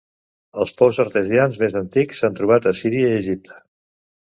Els pous artesians més antics s'han trobat a Síria i Egipte.